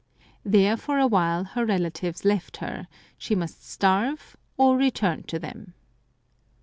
There for a while her relatives left her, she must starve or return to them.